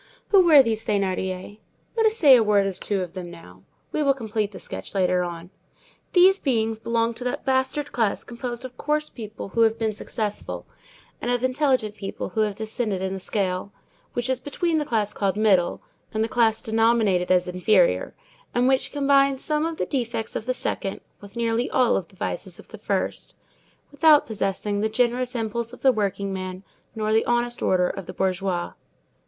Who were these Thénardiers? Let us say a word or two of them now. We will complete the sketch later on. These beings belonged to that bastard class composed of coarse people who have been successful, and of intelligent people who have descended in the scale, which is between the class called "middle" and the class denominated as "inferior," and which combines some of the defects of the second with nearly all the vices of the first, without possessing the generous impulse of the workingman nor the honest order of the bourgeois.